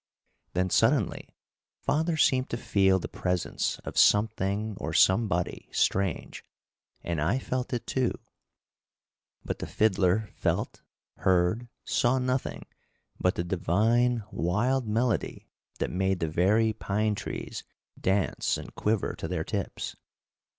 Then suddenly father seemed to feel the presence of something or somebody strange, and I felt it, too. But the fiddler felt, heard, saw nothing but the divine, wild melody that made the very pine trees dance and quiver to their tips.